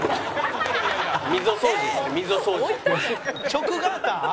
「直ガーター？」